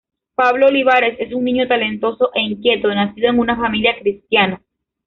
Pablo Olivares es un niño talentoso e inquieto, nacido en una familia cristiana.